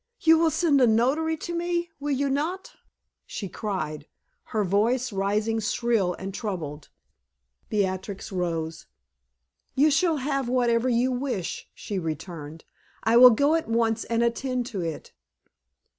You will send a notary to me, will you not?" she cried, her voice rising shrill and troubled. Beatrix rose. "You shall have whatever you wish," she returned. "I will go at once and attend to it."